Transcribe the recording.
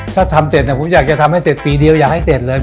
ถ้าทำเสร็จผมอยากจะทำให้เสร็จปีเดียวอยากให้เสร็จเลย